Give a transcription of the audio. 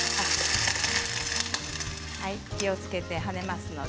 気をつけて、跳ねますので。